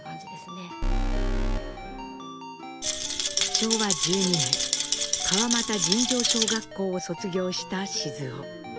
昭和１２年河俣尋常小学校を卒業した雄。